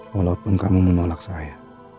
walaupun kamu menolak saya